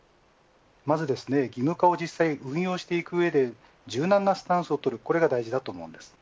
まずは義務化を実際、運用していくうえで柔軟なスタンスを取ることが大事です。